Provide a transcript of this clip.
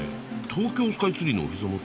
東京スカイツリーのお膝元？